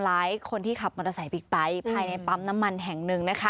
คนที่ขับมอเตอร์ไซค์บิ๊กไบท์ภายในปั๊มน้ำมันแห่งหนึ่งนะคะ